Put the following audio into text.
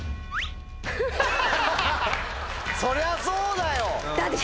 そりゃそうだよ。